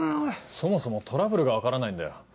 そもそもトラブルが分からないんだよ。